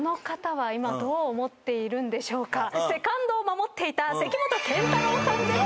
セカンドを守っていた関本賢太郎さんです。